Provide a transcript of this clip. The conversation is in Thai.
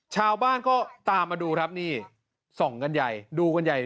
ชาวบ้านก็ตามมาดูครับนี่ส่องกันใหญ่ดูกันใหญ่